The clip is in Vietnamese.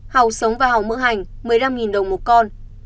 hào sống và hào mưu hành một mươi năm đồng một con